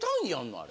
あれ。